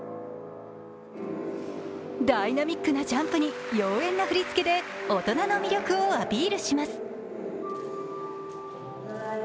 ダイナミックなジャンプに妖艶な振り付けで大人の魅力をアピールします。